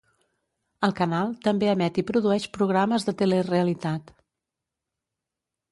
El canal també emet i produeix programes de telerealitat.